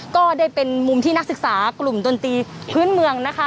ก็ได้เป็นมุมที่นักศึกษากลุ่มดนตรีพื้นเมืองนะคะ